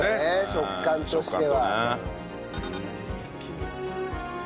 食感としては。